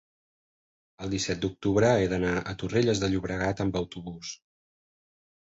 el disset d'octubre he d'anar a Torrelles de Llobregat amb autobús.